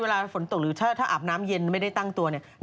เขาก็ใช้บริการเข้ามาทำให้ที่บ้านใช่ไหม